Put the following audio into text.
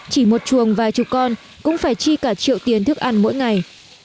chỉ một chuồng vài chục con cũng phải chi cả triệu tiền thức ăn mỗi ngày